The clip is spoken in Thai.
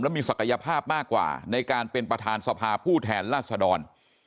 มีศักยภาพมากกว่าในการเป็นประธานสภาผู้แทนราชดร